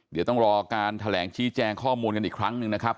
จะต้องรอการแขินแจงข้อมูลกันอีกครั้งนึงนะครับ